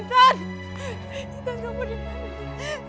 tintan kamu di mana